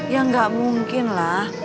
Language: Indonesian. ya gak mungkin lah